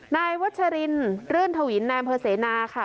นายวชรินรื่นทวินแนมเพอเสนาค่ะ